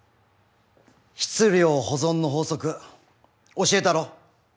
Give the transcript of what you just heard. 質量保存の法則教えたろ？